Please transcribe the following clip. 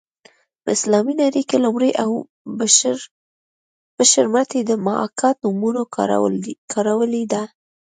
په اسلامي نړۍ کې لومړی ابو بشر متي د محاکات نومونه کارولې ده